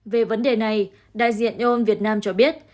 về vấn đề này đại diện eu việt nam cho biết